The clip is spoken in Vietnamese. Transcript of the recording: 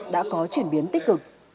đã có chuyển biến tích cực